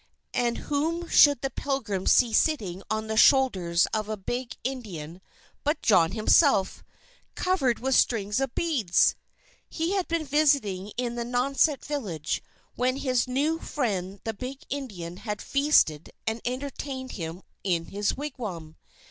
And whom should the Pilgrims see sitting on the shoulders of a big Indian, but John himself, covered with strings of beads! He had been visiting in the Nauset village, where his new friend the big Indian had feasted and entertained him in his wigwam.